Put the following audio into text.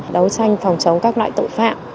đấu tranh phòng chống các loại tội phạm